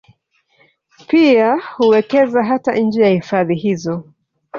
Pia huwekeza hata nje ya hifadhi hizo